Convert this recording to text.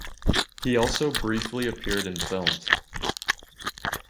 He also briefly appeared in films.